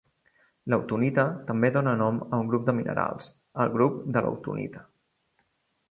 L'autunita també dóna nom a un grup de minerals, el grup de l'autunita.